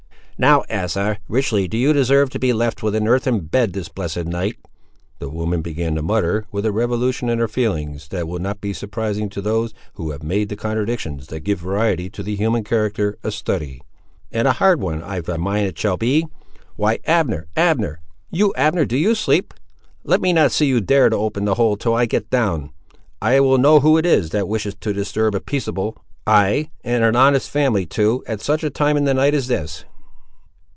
"Now, Asa, richly do you deserve to be left with an earthen bed this blessed night!" the woman began to mutter, with a revolution in her feelings, that will not be surprising to those who have made the contradictions that give variety to the human character a study. "And a hard one I've a mind it shall be! Why Abner; Abner; you Abner, do you sleep? Let me not see you dare to open the hole, till I get down. I will know who it is that wishes to disturb a peaceable, ay, and an honest family too, at such a time in the night as this!"